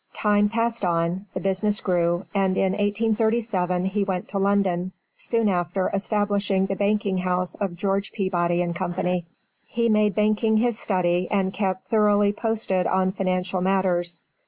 Time passed on, the business grew, and in 1837 he went to London, soon after establishing the banking house of George Peabody & Co. He made banking his study and kept thoroughly posted on financial matters.